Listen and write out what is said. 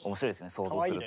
想像すると。